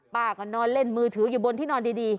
ป้าก็นอนเล่นมือถืออยู่บนที่นอนดี